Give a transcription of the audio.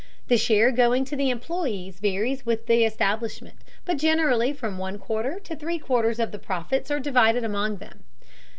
The share going to the employees varies with the establishment, but generally from one quarter to three quarters of the profits are divided among them.